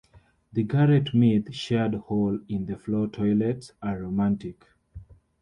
The garret myth - shared hole-in-the-floor toilets are "romantic"?